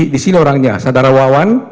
di sini orangnya saudara wawan